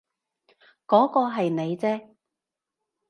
嗰個係你啫